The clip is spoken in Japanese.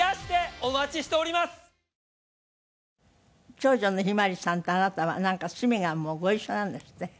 長女の向日葵さんとあなたはなんか趣味がご一緒なんですって？